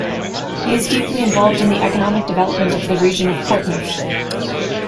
He is deeply involved in the economic development of the region of Portneuf.